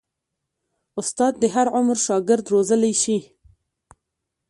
استاد د هر عمر شاګرد روزلی شي.